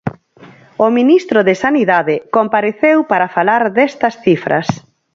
O ministro de Sanidade compareceu para falar destas cifras.